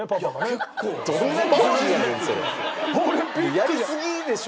やりすぎでしょ。